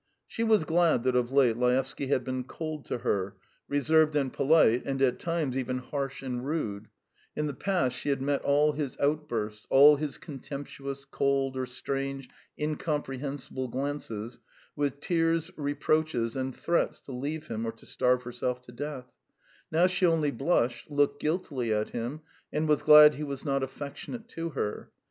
She was glad that of late Laevsky had been cold to her, reserved and polite, and at times even harsh and rude; in the past she had met all his outbursts, all his contemptuous, cold or strange incomprehensible glances, with tears, reproaches, and threats to leave him or to starve herself to death; now she only blushed, looked guiltily at him, and was glad he was not affectionate to her.